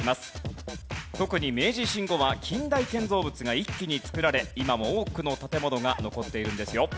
特に明治維新後は近代建造物が一気に造られ今も多くの建物が残っているんですよ。